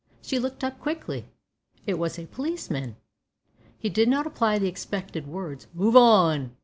She looked quickly up. It was a policeman. He did not apply the expected words "move on."